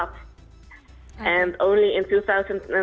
dan hanya pada tahun dua ribu delapan belas